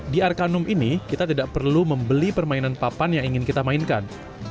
di arkanum ini kita tidak perlu membeli permainan papan yang ingin kita mainkan